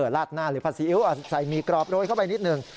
ลาดหน้าหรือผัดซีอิ๊วใส่หมี่กรอบโรยเข้าไปนิดหนึ่ง